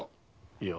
いや。